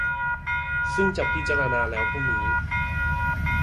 ซึ่งจะพิจารณาแล้วพรุ่งนี้